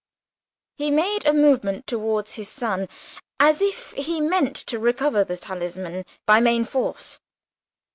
and he made a movement towards his son, as if he meant to recover the talisman by main force.